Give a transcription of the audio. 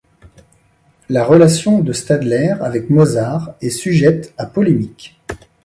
La relation de Stadler avec Mozart est sujette à polémique.